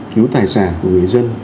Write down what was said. cứu tài sản của người dân